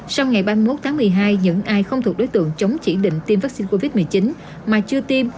sau ngày ba mươi một tháng một mươi hai những ai không thuộc đối tượng chống chỉ định tiêm vaccine covid một mươi chín mà chưa tiêm